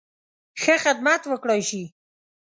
ښه خدمت وکړای شي.